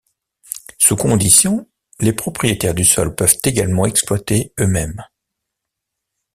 Sous conditions, les propriétaires du sol peuvent également exploiter eux-mêmes.